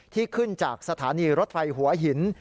ที่ขึ้นจากสถานีรถไฟหัวหิน